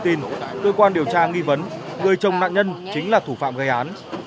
theo thông tin cơ quan điều tra nghi vấn người chồng nạn nhân chính là thủ phạm gây án